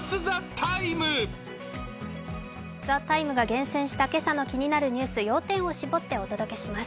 「ＴＨＥＴＩＭＥ’」が厳選した今朝の気になるニュース、要点を絞ってお届けします。